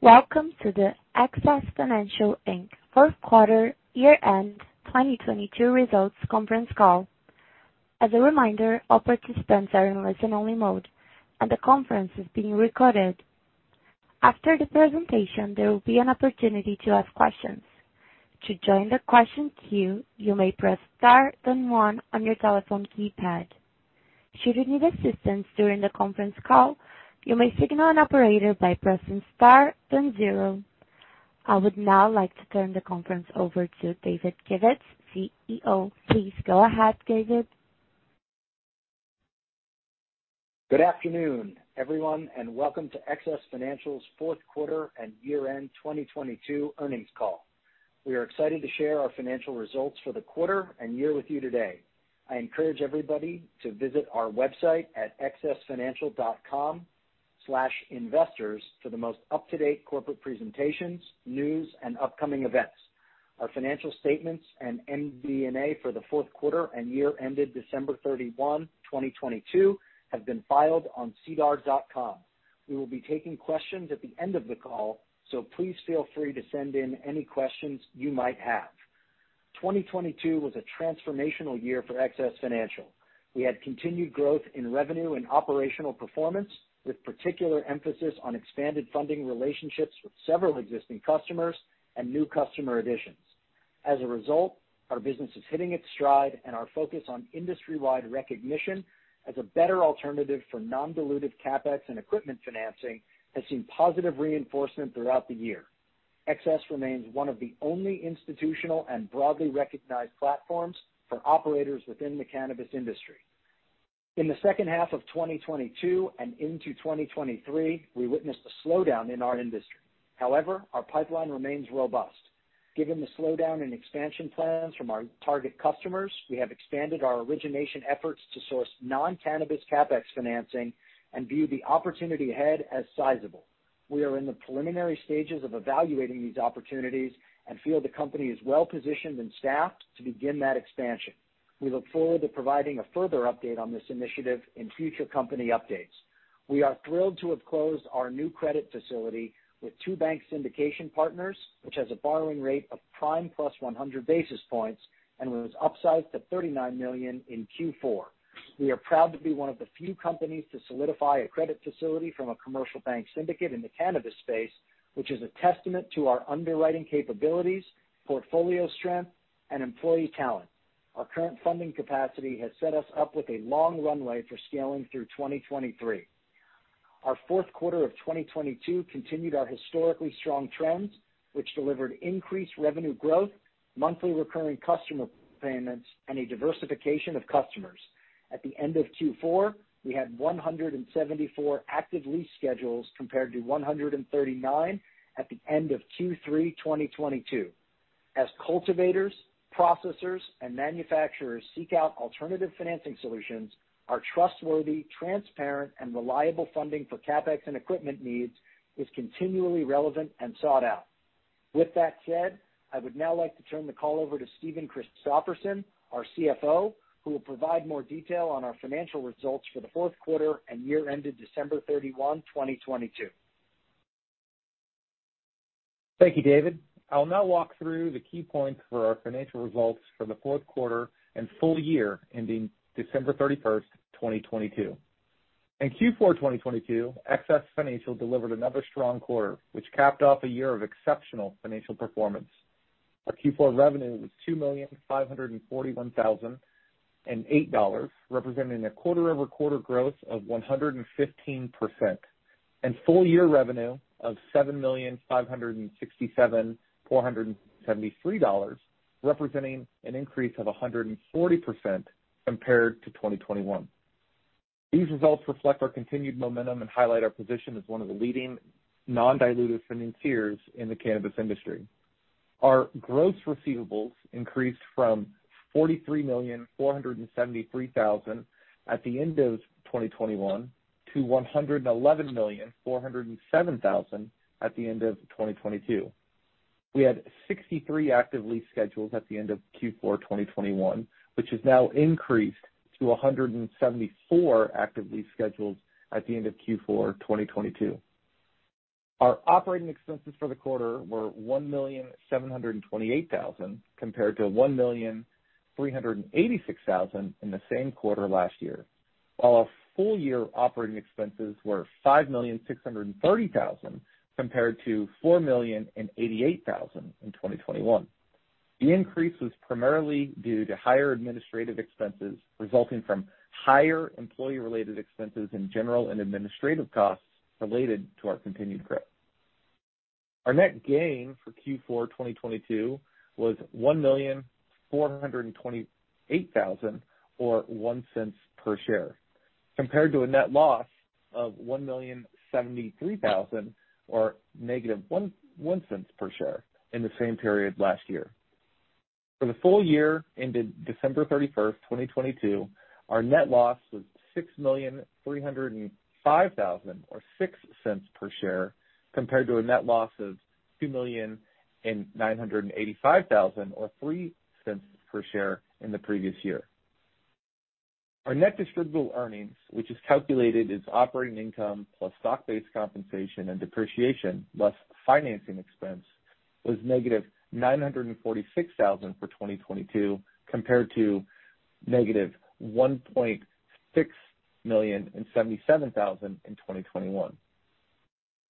Welcome to the XS Financial Inc Fourth Quarter Year-End 2022 Results Conference Call. As a reminder, all participants are in listen-only mode, and the conference is being recorded. After the presentation, there will be an opportunity to ask questions. To join the question queue, you may press star then one on your telephone keypad. Should you need assistance during the conference call, you may signal an operator by pressing star then zero. I would now like to turn the conference over to David Kivitz, CEO. Please go ahead, David. Good afternoon, everyone, welcome to XS Financial's fourth quarter and year-end 2022 earnings call. We are excited to share our financial results for the quarter and year with you today. I encourage everybody to visit our website at xsfinancial.com/investors for the most up-to-date corporate presentations, news, and upcoming events. Our financial statements and MD&A for the fourth quarter and year ended December 31, 2022, have been filed on sedar.com. We will be taking questions at the end of the call, please feel free to send in any questions you might have. 2022 was a transformational year for XS Financial. We had continued growth in revenue and operational performance, with particular emphasis on expanded funding relationships with several existing customers and new customer additions. As a result, our business is hitting its stride and our focus on industry-wide recognition as a better alternative for non-dilutive CapEx and equipment financing has seen positive reinforcement throughout the year. XS remains one of the only institutional and broadly recognized platforms for operators within the cannabis industry. In the second half of 2022 and into 2023, we witnessed a slowdown in our industry. Our pipeline remains robust. Given the slowdown in expansion plans from our target customers, we have expanded our origination efforts to source non-cannabis CapEx financing and view the opportunity ahead as sizable. We are in the preliminary stages of evaluating these opportunities and feel the company is well-positioned and staffed to begin that expansion. We look forward to providing a further update on this initiative in future company updates. We are thrilled to have closed our new credit facility with two bank syndication partners, which has a borrowing rate of prime plus one hundred basis points and was upsized to $39 million in Q4. We are proud to be one of the few companies to solidify a credit facility from a commercial bank syndicate in the cannabis space, which is a testament to our underwriting capabilities, portfolio strength, and employee talent. Our current funding capacity has set us up with a long runway for scaling through 2023. Our fourth quarter of 2022 continued our historically strong trends, which delivered increased revenue growth, monthly recurring customer payments, and a diversification of customers. At the end of Q4, we had 174 active lease schedules, compared to 139 at the end of Q3 2022. As cultivators, processors, and manufacturers seek out alternative financing solutions, our trustworthy, transparent, and reliable funding for CAPEX and equipment needs is continually relevant and sought out. With that said, I would now like to turn the call over to Stephen Christoffersen, our CFO, who will provide more detail on our financial results for the fourth quarter and year ended December 31, 2022. Thank you, David. I will now walk through the key points for our financial results for the fourth quarter and full year ending December 31, 2022. In Q4 2022, XS Financial delivered another strong quarter, which capped off a year of exceptional financial performance. Our Q4 revenue was $2,541,008, representing a quarter-over-quarter growth of 115%. Full year revenue of $7,567,473, representing an increase of 140% compared to 2021. These results reflect our continued momentum and highlight our position as one of the leading non-dilutive financiers in the cannabis industry. Our gross receivables increased from $43,473,000 at the end of 2021 to $111,407,000 at the end of 2022. We had 63 active lease schedules at the end of Q4 2021, which has now increased to 174 active lease schedules at the end of Q4 2022. Our operating expenses for the quarter were $1,728,000, compared to $1,386,000 in the same quarter last year, while our full year operating expenses were $5,630,000, compared to $4,088,000 in 2021. The increase was primarily due to higher administrative expenses resulting from higher employee-related expenses in general and administrative costs related to our continued growth. Our net gain for Q4 2022 was $1,428,000 or $0.01 per share, compared to a net loss of $1,073,000 or -$0.01 per share in the same period last year. For the full year ended December 31, 2022, our net loss was $6,305,000 or $0.06 per share, compared to a net loss of $2,985,000 or $0.03 per share in the previous year. Our net distributable earnings, which is calculated as operating income plus stock-based compensation and depreciation less financing expense, was -$946,000 for 2022 compared to -$1,677,000 in 2021.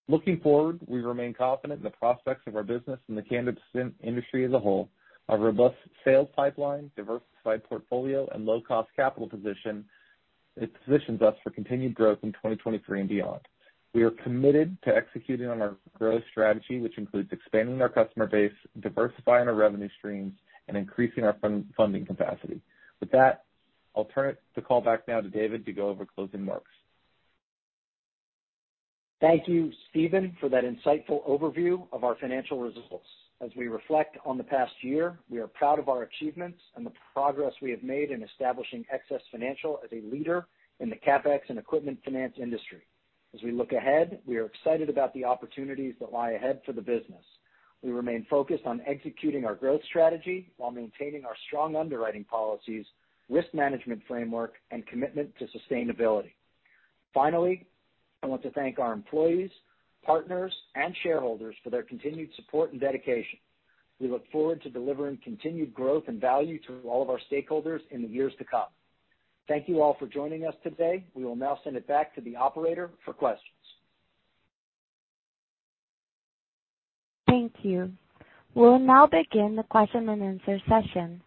Looking forward, we remain confident in the prospects of our business and the cannabis industry as a whole. Our robust sales pipeline, diversified portfolio, and low-cost capital position, it positions us for continued growth in 2023 and beyond. We are committed to executing on our growth strategy, which includes expanding our customer base, diversifying our revenue streams, and increasing our funding capacity. With that, I'll turn it the call back now to David to go over closing remarks. Thank you, Stephen, for that insightful overview of our financial results. As we reflect on the past year, we are proud of our achievements and the progress we have made in establishing XS Financial as a leader in the CapEx and equipment finance industry. As we look ahead, we are excited about the opportunities that lie ahead for the business. We remain focused on executing our growth strategy while maintaining our strong underwriting policies, risk management framework, and commitment to sustainability. Finally, I want to thank our employees, partners, and shareholders for their continued support and dedication. We look forward to delivering continued growth and value to all of our stakeholders in the years to come. Thank you all for joining us today. We will now send it back to the operator for questions. Thank you. We'll now begin the question-and-answer session.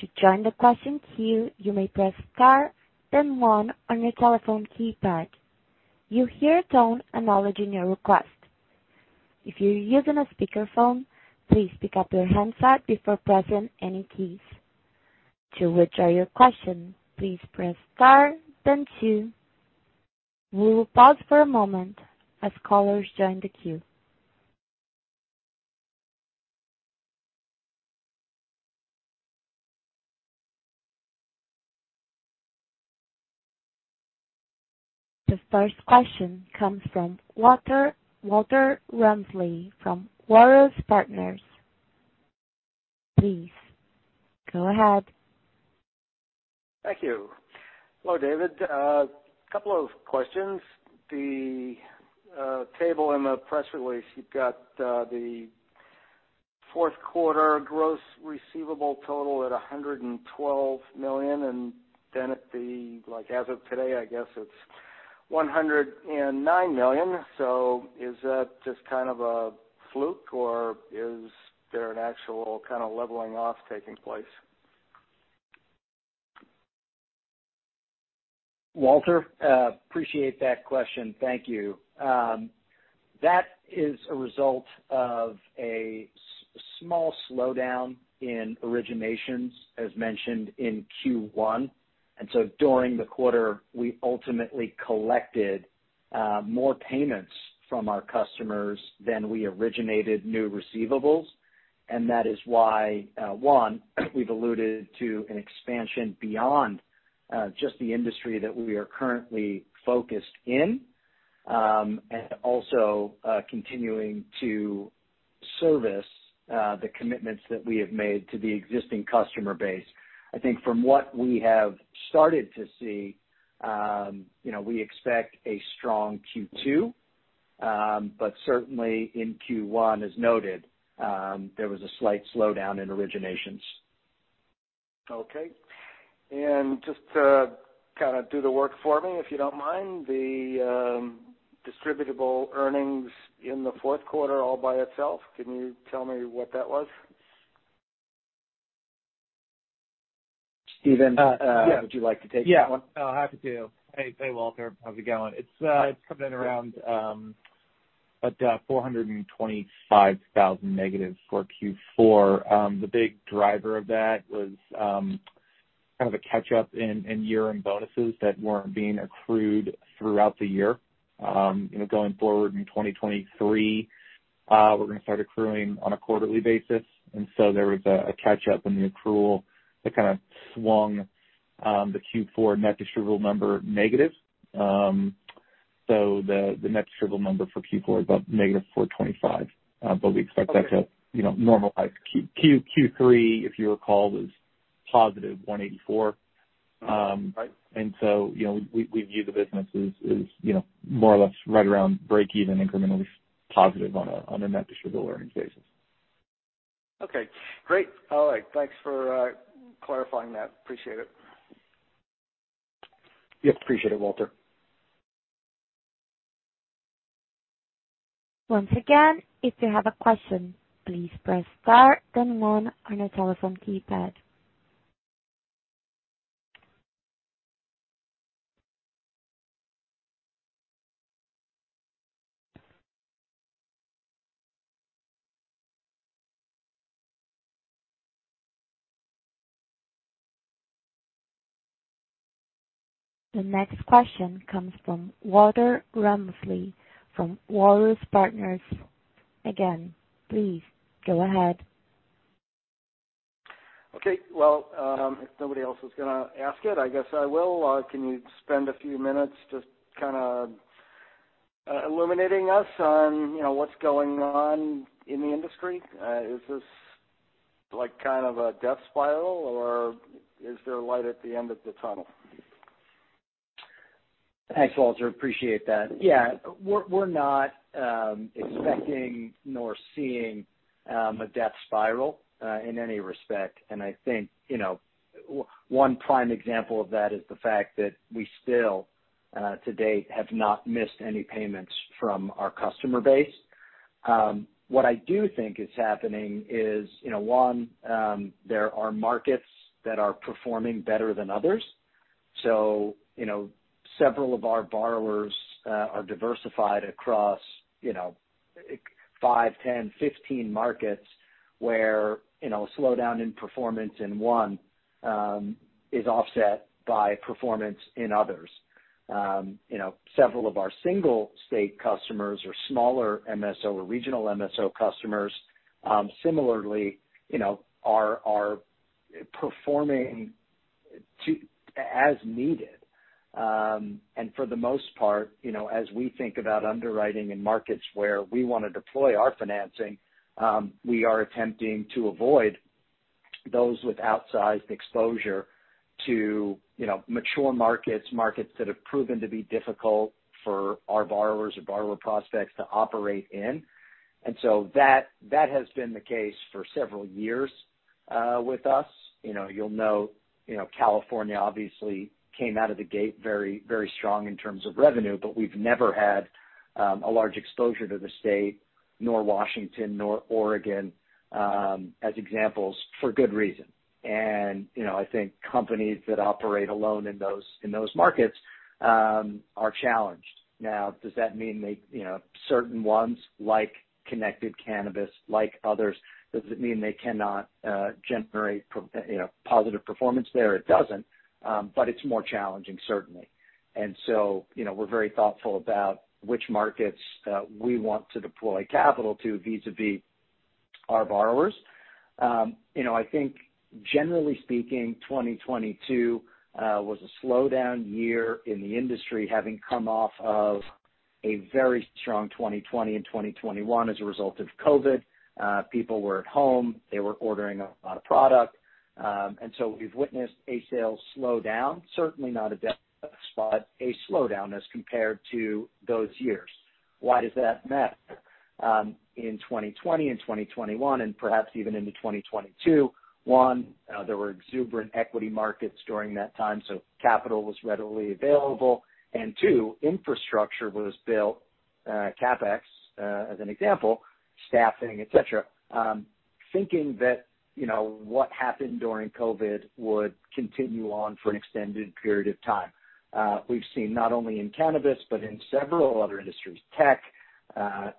To join the question queue, you may press star then one on your telephone keypad. You'll hear a tone acknowledging your request. If you're using a speakerphone, please pick up your handset before pressing any keys. To withdraw your question, please press star then two. We will pause for a moment as callers join the queue. The first question comes from Walter Ramsley from Walrus Partners. Please go ahead. Thank you. Hello, David. Couple of questions. The table in the press release, you've got the fourth quarter gross receivable total at $112 million, and then at the, like, as of today, I guess it's $109 million. Is that just kind of a fluke, or is there an actual kinda leveling off taking place? Walter, appreciate that question. Thank you. That is a result of a small slowdown in originations, as mentioned in Q1. During the quarter, we ultimately collected more payments from our customers than we originated new receivables. That is why, one, we've alluded to an expansion beyond just the industry that we are currently focused in, and also continuing to service the commitments that we have made to the existing customer base. I think from what we have started to see, you know, we expect a strong Q2, but certainly in Q1, as noted, there was a slight slowdown in originations. Okay. Just to kinda do the work for me, if you don't mind, the distributable earnings in the fourth quarter all by itself, can you tell me what that was? Stephen? Yeah. Would you like to take that one? Yeah. Oh, happy to. Hey, hey, Walter. How's it going? It's coming in around at negative $425,000 for Q4. The big driver of that was kind of a catch-up in year-end bonuses that weren't being accrued throughout the year. You know, going forward in 2023, we're gonna start accruing on a quarterly basis. There was a catch-up in the accrual that kind of swung the Q4 net distributable number negative. The net distributable number for Q4 is about negative $425. We expect that to, you know, normalize. Q3, if you recall, is positive $184. Right. You know, we view the business as, you know, more or less right around breakeven, incrementally positive on a net distributable earnings basis. Okay, great. All right. Thanks for clarifying that. Appreciate it. Yep. Appreciate it, Walter. Once again, if you have a question, please press star then one on your telephone keypad. The next question comes from Walter Ramsley from Walrus Partners. Again, please go ahead. Okay. Well, if nobody else is gonna ask it, I guess I will. Can you spend a few minutes just kinda, illuminating us on, you know, what's going on in the industry? Is this like kind of a death spiral or is there light at the end of the tunnel? Thanks, Walter. Appreciate that. Yeah. We're not expecting nor seeing a death spiral in any respect. I think, you know, one prime example of that is the fact that we still to date have not missed any payments from our customer base. What I do think is happening is, you know, one, there are markets that are performing better than others. You know, several of our borrowers are diversified across, you know, five, 10, 15 markets where, you know, a slowdown in performance in one is offset by performance in others. You know, several of our single state customers or smaller MSO or regional MSO customers, similarly, you know, are performing as needed. For the most part, you know, as we think about underwriting in markets where we wanna deploy our financing, we are attempting to avoid those with outsized exposure to, you know, mature markets that have proven to be difficult for our borrowers or borrower prospects to operate in. That has been the case for several years with us. You know, you'll know, you know, California obviously came out of the gate very, very strong in terms of revenue, but we've never had a large exposure to the state nor Washington nor Oregon, as examples, for good reason. You know, I think companies that operate alone in those markets are challenged. Now, does that mean they, you know, certain ones like Connected Cannabis, like others, does it mean they cannot generate, you know, positive performance there? It doesn't, but it's more challenging, certainly. You know, we're very thoughtful about which markets we want to deploy capital to vis-à-vis our borrowers. You know, I think generally speaking, 2022 was a slowdown year in the industry, having come off of a very strong 2020 and 2021 as a result of COVID. People were at home, they were ordering a lot of product. We've witnessed a sales slowdown, certainly not a death spot, a slowdown as compared to those years. Why does that matter? In 2020 and 2021, and perhaps even into 2022. One, there were exuberant equity markets during that time, so capital was readily available. Two, infrastructure was built, CapEx, as an example, staffing, et cetera. Thinking that, you know, what happened during COVID would continue on for an extended period of time. We've seen not only in cannabis, but in several other industries. Tech,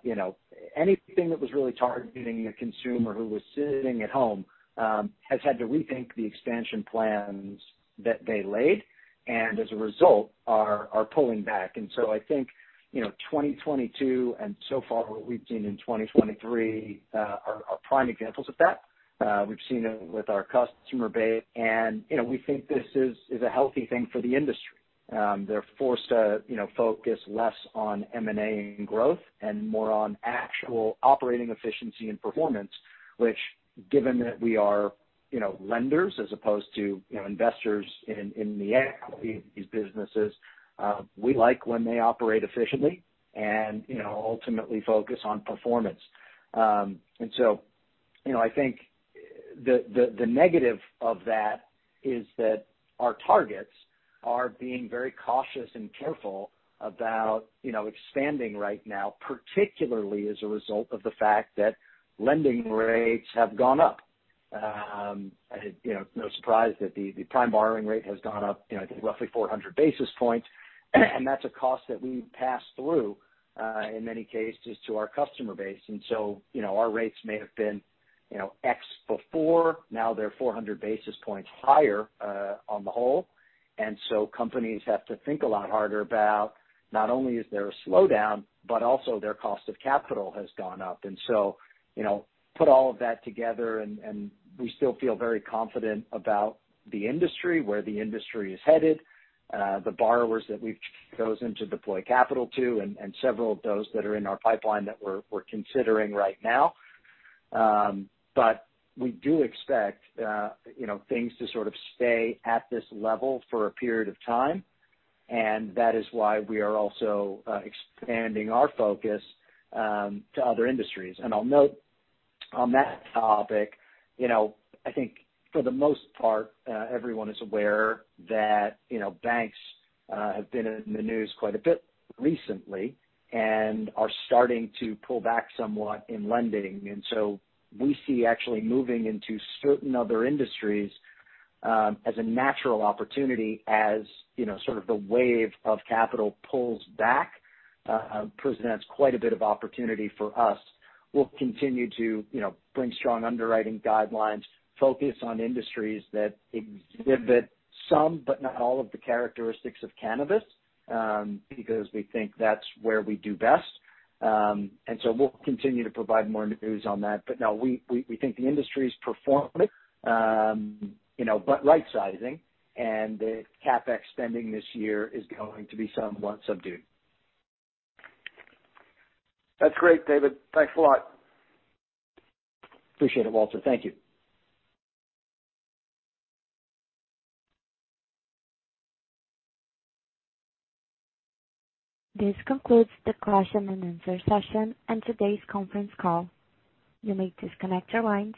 you know, anything that was really targeting a consumer who was sitting at home, has had to rethink the expansion plans that they laid, and as a result are pulling back. I think, you know, 2022 and so far what we've seen in 2023, are prime examples of that. We've seen it with our customer base. You know, we think this is a healthy thing for the industry. They're forced to, you know, focus less on M&A and growth and more on actual operating efficiency and performance, which given that we are, you know, lenders as opposed to, you know, investors in the equity of these businesses, we like when they operate efficiently and, you know, ultimately focus on performance. You know, I think the, the negative of that is that our targets are being very cautious and careful about, you know, expanding right now, particularly as a result of the fact that lending rates have gone up. You know, no surprise that the prime borrowing rate has gone up, you know, I think roughly 400 basis points. That's a cost that we pass through, in many cases to our customer base. You know, our rates may have been, you know, X before. Now they're 400 basis points higher, on the whole. Companies have to think a lot harder about not only is there a slowdown, but also their cost of capital has gone up. You know, put all of that together and we still feel very confident about the industry, where the industry is headed, the borrowers that we've chosen to deploy capital to and several of those that are in our pipeline that we're considering right now. We do expect, you know, things to sort of stay at this level for a period of time, and that is why we are also, expanding our focus, to other industries. I'll note on that topic, you know, I think for the most part, everyone is aware that, you know, banks have been in the news quite a bit recently and are starting to pull back somewhat in lending. We see actually moving into certain other industries as a natural opportunity as, you know, sort of the wave of capital pulls back presents quite a bit of opportunity for us. We'll continue to, you know, bring strong underwriting guidelines, focus on industries that exhibit some but not all of the characteristics of cannabis, because we think that's where we do best. We'll continue to provide more news on that. We, we think the industry is performing, you know, but right sizing and the CapEx spending this year is going to be somewhat subdued. That's great, David. Thanks a lot. Appreciate it, Walter. Thank you. This concludes the question and answer session and today's conference call. You may disconnect your lines.